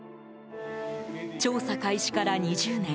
調査開始から２０年。